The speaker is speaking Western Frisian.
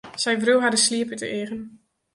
Sy wreau har de sliep út de eagen.